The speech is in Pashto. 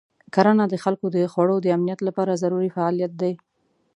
کرنه د خلکو د خوړو د امنیت لپاره ضروري فعالیت دی.